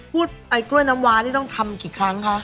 ไอ้กล้วยน้ำวานี่ต้องทำกี่ครั้งคะ